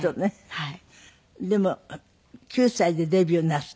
はい。